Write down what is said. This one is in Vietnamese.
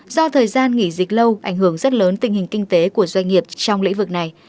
do thời gian nghỉ dịch lâu ảnh hưởng rất lớn tình hình kinh tế của doanh nghiệp trong lĩnh vực này